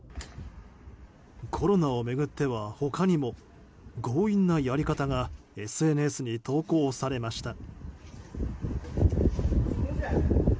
コロナを巡っては他にも強引なやり方がＳＮＳに投稿されました。